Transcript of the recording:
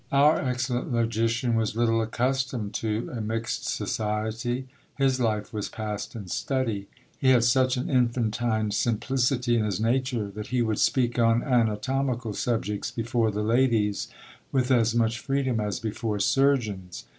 '" Our excellent logician was little accustomed to a mixed society: his life was passed in study. He had such an infantine simplicity in his nature, that he would speak on anatomical subjects before the ladies with as much freedom as before surgeons.